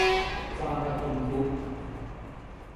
ความระทมทุกข์